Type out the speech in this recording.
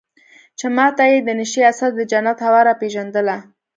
چې ما ته يې د نشې اثر د جنت هوا راپېژندله.